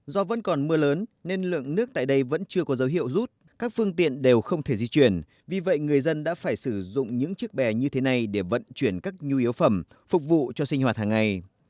do vẫn còn mưa lớn nên lượng nước tại đây vẫn chưa có dấu hiệu rút các phương tiện đều không thể di chuyển vì vậy người dân đã phải sử dụng những chiếc bè như thế này để vận chuyển các nhu yếu phẩm phục vụ cho sinh hoạt hàng ngày